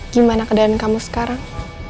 gimana keadaan kamu sekarang